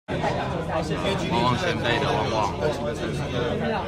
旺旺仙貝的旺旺